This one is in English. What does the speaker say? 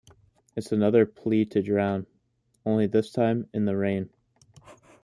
It's another plea to drown, only this time in the rain.